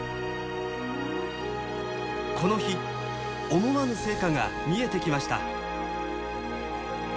この日思わぬ成果が見えてきました。